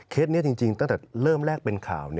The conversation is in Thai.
นี้จริงตั้งแต่เริ่มแรกเป็นข่าว